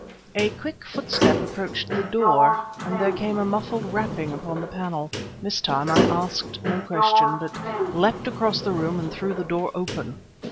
A quick footstep approached the door, and there came a muffled rapping upon the panel. This time I asked no question, but leapt across the room and threw the door open.